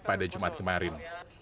pada jumat kemarin